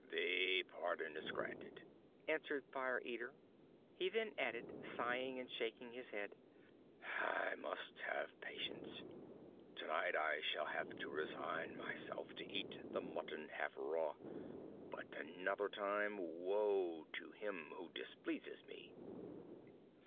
"The pardon is granted!" answered Fire Eater; he then added, sighing and shaking his head: "I must have patience! Tonight I shall have to resign myself to eat the mutton half raw; but another time, woe to him who displeases me!"